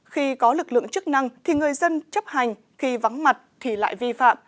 khi có lực lượng chức năng thì người dân chấp hành khi vắng mặt thì lại vi phạm